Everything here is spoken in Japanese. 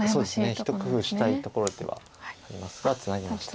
一工夫したいところではありますがツナぎました。